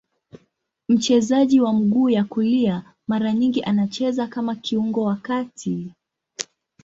Mchezaji wa mguu ya kulia, mara nyingi anacheza kama kiungo wa kati.